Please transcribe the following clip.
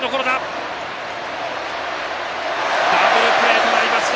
ダブルプレーとなりました。